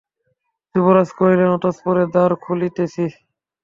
যুবরাজ কহিলেন, অন্তঃপুরের দ্বার খুলিতেছি।